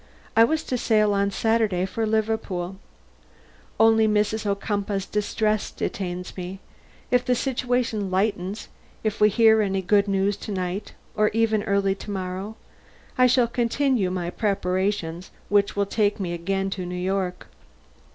I was to sail on Saturday for Liverpool. Only Mrs. Ocumpaugh's distress detains me. If the situation lightens, if we hear any good news to night, or even early to morrow, I shall continue my preparations, which will take me again to New York."